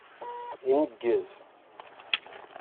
Ineggez.